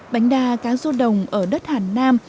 bánh đa cá rô đồng ở đất hàn nam